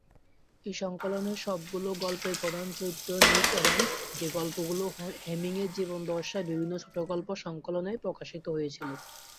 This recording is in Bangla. এই সংকলনে সবগুলো গল্পের প্রধান চরিত্র নিক অ্যাডামস, যে গল্পগুলো হেমিংওয়ে জীবদ্দশায় বিভিন্ন ছোটগল্প সংকলনের প্রকাশিত হয়েছিল।